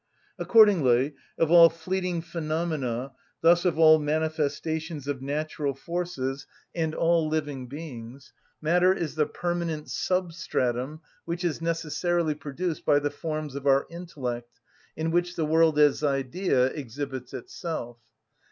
Accordingly, of all fleeting phenomena, thus of all manifestations of natural forces and all living beings, matter is the permanent substratum which is necessarily produced by the forms of our intellect in which the world as idea exhibits itself.